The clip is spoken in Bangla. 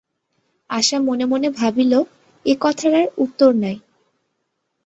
আশা মনে মনে ভাবিল, এ কথার আর উত্তর নাই।